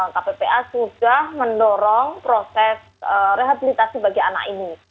kppa sudah mendorong proses rehabilitasi bagi anak ini